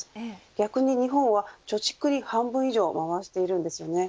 逆に日本は貯蓄に半分以上回しているんです。